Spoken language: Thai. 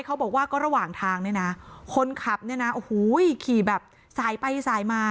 เขาบอกว่าก็ระหว่างทางคนขับนี่นะขี่แบบสายไปสายมา